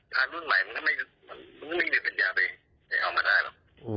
ถ้าลุ่นใหม่มันก็ไม่มีสัญญาณไปเอามาได้